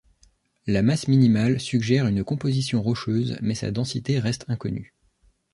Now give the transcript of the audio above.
La masse minimale suggère une composition rocheuse mais sa densité reste inconnue.